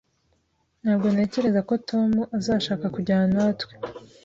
Ntabwo ntekereza ko Tom azashaka kujyana natwe